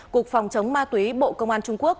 cục phòng chống ma túy bộ công an trung quốc